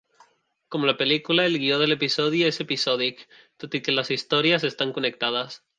Com la pel·lícula, el guió de l'episodi és episòdic, tot i que les històries estan connectades.